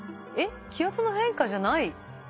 えっ気圧の変化じゃない。